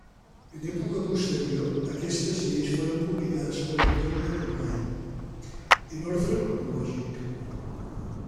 En època posterior, aquestes lleis foren publicades per Antoni de Capmany, en ordre cronològic.